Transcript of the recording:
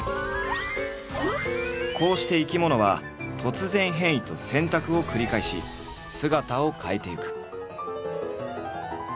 こうして生き物は突然変異と選択を繰り返し姿を変えていく。